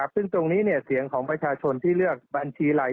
ซึ่งตรงนี้เสียงของประชาชนที่เลือกบัญชีอะไร